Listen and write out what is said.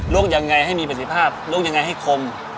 ลุกยังไงให้มีปฏิภาพลุกยังไงให้คม